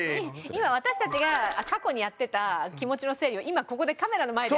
私たちが過去にやってた気持ちの整理を今ここでカメラの前で。